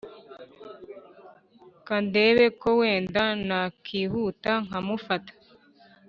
Kandebe ko wenda nakihuta nkamufata